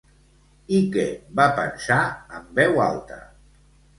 I què va pensar en veu alta?